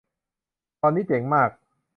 ตอนนี้เจ๋งมาก